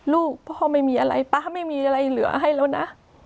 ลูกพ่อป๊าไม่มีอะไรเหลือให้แล้วนะ